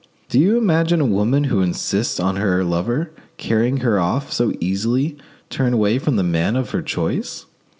Do you imagine that a woman who insists on her lover carrying her off can so easily turn away from the man of her choice?